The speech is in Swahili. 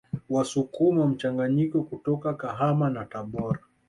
Wasukuma mchanganyiko kutoka Kahama na Tabora